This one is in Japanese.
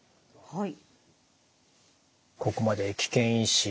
はい。